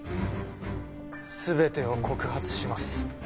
全てを告発します。